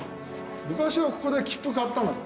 昔はここで切符買ったのよ。